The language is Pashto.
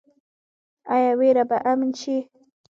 آیا ویره به امن شي؟